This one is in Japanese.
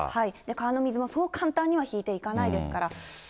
川の水もそう簡単には引いていかないですから。